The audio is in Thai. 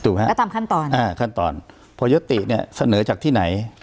ถูกครับแล้วตามขั้นตอนอ่าขั้นตอนพอยติเนี้ยเสนอจากที่ไหน